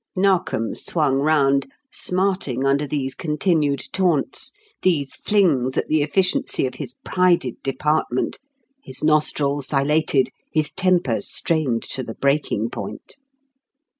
Narkom swung round, smarting under these continued taunts, these "flings" at the efficiency of his prided department, his nostrils dilated, his temper strained to the breaking point.